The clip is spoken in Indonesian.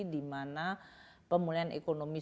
di mana pemulihan ekonomi